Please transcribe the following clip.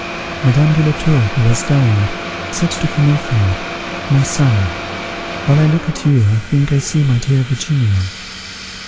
Madame de la Tour, who was dying said to him often, "My son, while I look at you, I think I see my dear Virginia."